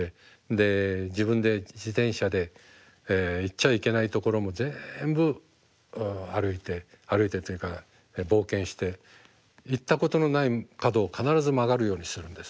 で自分で自転車で行っちゃいけないところも全部歩いて歩いてというか冒険して行ったことのない角を必ず曲がるようにするんです。